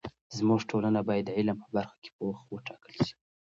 زموږ ټولنه باید د علم په برخه کې پوخ وټاکل سي.